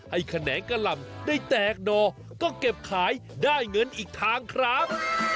แขนงกะหล่ำได้แตกดอก็เก็บขายได้เงินอีกทางครับ